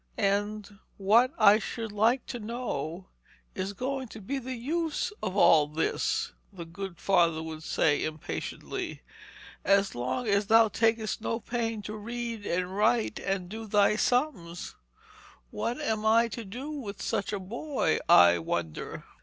'And what, I should like to know, is going to be the use of all this,' the good father would say impatiently, 'as long as thou takest no pains to read and write and do thy sums? What am I to do with such a boy, I wonder?'